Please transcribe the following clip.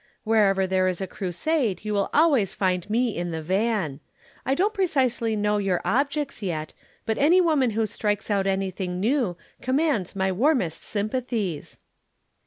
Wherever there is a crusade you will always find me in the van. I don't precisely know your objects yet, but any woman who strikes out anything new commands my warmest sympathies."